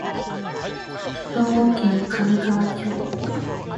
兵庫県神河町